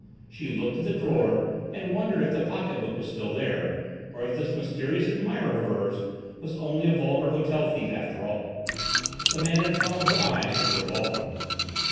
She looked at the drawer and wondered if the pocket book was still there, or if this mysterious admirer of hers was only a vulgar hotel thief after all. The man had followed her eyes to the revolver.